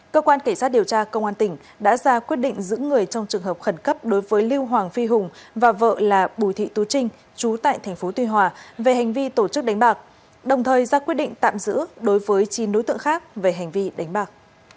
cơ quan cảnh sát điều tra công an tỉnh đã ra quyết định giữ người trong trường hợp khẩn cấp đối với lưu hoàng phi hùng và vợ là bùi thị tú trinh trú tại tp tuy hòa về hành vi tổ chức đánh bạc đồng thời ra quyết định tạm giữ đối với chín đối tượng khác về hành vi đánh bạc